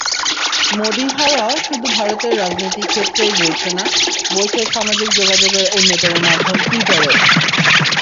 মোদি-হাওয়া শুধু ভারতের রাজনৈতিক ক্ষেত্রেই বইছে না, বইছে সামাজিক যোগাযোগের অন্যতম মাধ্যম টুইটারেও।